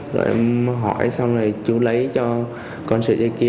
rồi em hỏi xong rồi chú lấy cho con sợi dây kia